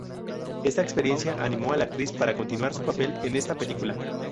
Esta experiencia animó a la actriz para continuar su papel en esta película.